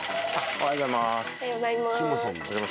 おはようございます。